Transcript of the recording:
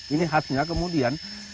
ini khasnya kemudian